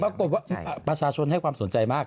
ปรากฏว่าประชาชนให้ความสนใจมาก